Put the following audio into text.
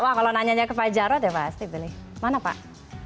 wah kalau nanya ke pak jarot ya pasti beli mana pak